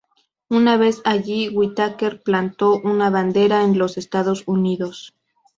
Una vez allí, Whittaker plantó una Bandera de los Estados Unidos.